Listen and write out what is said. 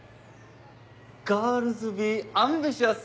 ガールズビーアンビシャス！